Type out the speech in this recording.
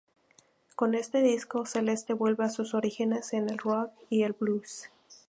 Con este disco, Celeste vuelve a sus orígenes en el rock y el blues.